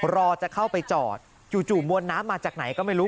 รอจะเข้าไปจอดจู่มวลน้ำมาจากไหนก็ไม่รู้